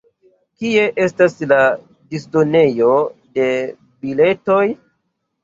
Kie estas la disdonejo de biletoj?